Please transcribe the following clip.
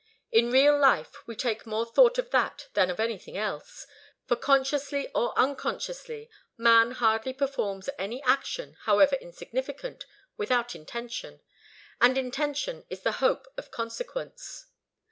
In real life we take more thought of that than of anything else; for, consciously or unconsciously, man hardly performs any action, however insignificant, without intention and intention is the hope of consequence.